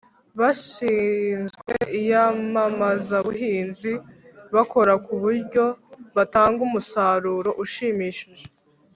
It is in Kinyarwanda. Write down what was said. bashinzwe iyamamazabuhinzi bakora ku buryo batanga umusaruro ushimishije.